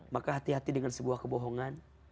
maka hati hati dengan sebuah kebohongan